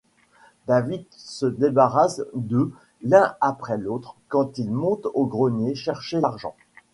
David se débarrasse d'eux l'un après l'autre quand ils montent au grenier chercher l'argent.